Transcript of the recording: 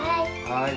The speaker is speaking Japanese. はい。